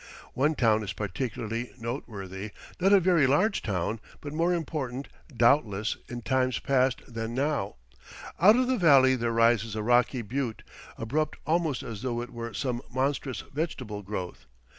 One town is particularly noteworthy not a very large town, but more important, doubtless, in times past than now. Out of the valley there rises a rocky butte, abrupt almost as though it were some monstrous vegetable growth.